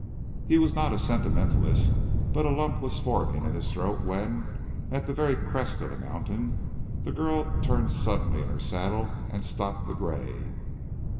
He was not a sentimentalist, but a lump was forming in his throat when, at the very crest of the mountain, the girl turned suddenly in her saddle and stopped the gray.